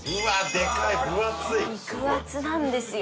でかい分厚い肉厚なんですよ